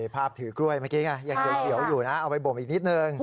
ภาพถือกล้วยเมื่อกี้ไงยังเขียวอยู่นะเอาไปบ่มอีกนิดนึง